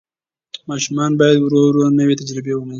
ماشوم باید ورو ورو نوې تجربې ومني.